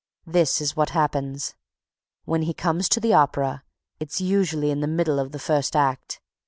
This is what happens: When he comes to the opera, it's usually in the middle of the first act.